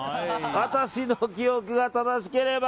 私の記憶が正しければ。